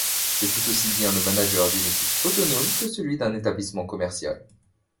C'est tout aussi bien le manager d'une équipe autonome que celui d'un établissement commercial.